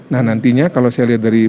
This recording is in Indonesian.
nah nantinya kalau saya lihat dari